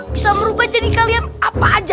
bisa merubah jadi kalian apa aja